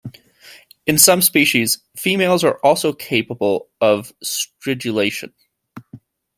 In some species, females are also capable of stridulation.